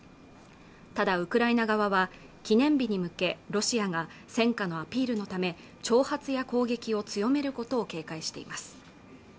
ただウクライナ側は記念日に向けロシアが戦果のアピールのため挑発や攻撃を強めることを警戒しています